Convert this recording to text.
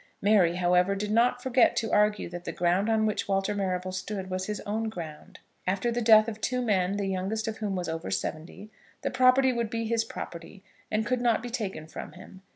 Mary, however, did not forget to argue that the ground on which Walter Marrable stood was his own ground. After the death of two men, the youngest of whom was over seventy, the property would be his property, and could not be taken from him.